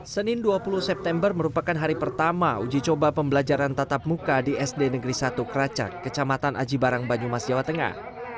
senin dua puluh september merupakan hari pertama uji coba pembelajaran tatap muka di sd negeri satu keracak kecamatan aji barang banyumas jawa tengah